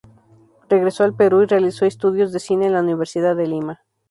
Regresó al Perú y realizó estudios de cine en la Universidad de Lima.